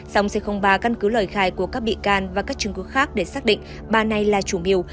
sông sê ba căn cứ lời khai của các bị can và các chứng cứ khác để xác định ba này là chủ mưu